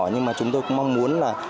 nhưng mà chúng tôi cũng mong muốn là